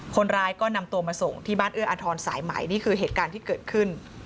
คนร้ายก็นำตัวมาส่งที่บ้านเอื้ออาทรสายใหม่นี่คือเหตุการณ์ที่เกิดขึ้น